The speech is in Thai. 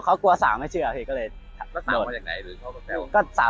เค้ากินแล้ว